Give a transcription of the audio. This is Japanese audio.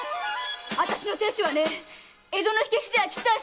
あたしの亭主はねえ江戸の火消しじゃちったあ